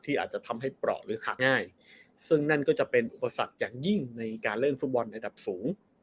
อาจจะทำให้เปราะหรือขาดง่ายซึ่งนั่นก็จะเป็นอุปสรรคอย่างยิ่งในการเล่นฟุตบอลระดับสูง